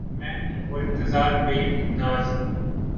میں ہوں اور انتظار بے انداز